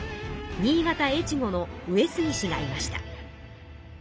新潟・越後の上杉氏がいました。